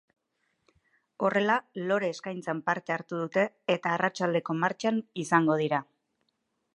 Horrela, lore-eskaintzan parte hartu dute, eta arratsaldeko martxan izango dira.